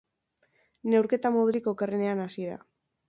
Neurketa modurik okerrenean hasi da.